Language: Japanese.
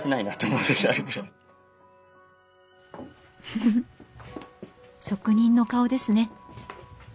フフ職人の顔ですね。